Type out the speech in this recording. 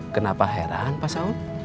kenapa heran pak saud